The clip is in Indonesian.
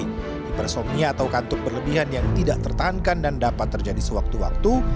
hipersomnia atau kantuk berlebihan yang tidak tertahankan dan dapat terjadi sewaktu waktu